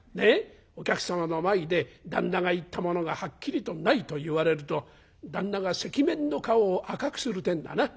お客様の前で旦那が言ったものがはっきりとないと言われると旦那が赤面の顔を赤くするってんだな。